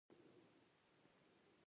هېوادونه کولی شي دغې محکمې ته شکایت وکړي.